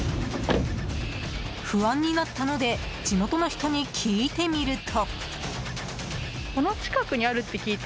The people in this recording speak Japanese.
不安になったので地元の人に聞いてみると。